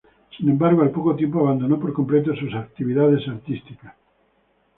Sin embargo, al poco tiempo abandonó por completo sus actividades artísticas.